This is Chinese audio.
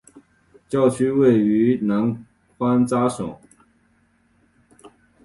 教区位于南宽扎省。